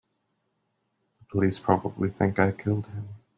The police probably think I killed him.